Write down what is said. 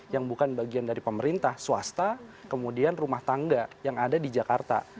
yang bukan bagian dari pemerintah swasta kemudian rumah tangga yang ada di jakarta